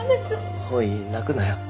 おい泣くなよ。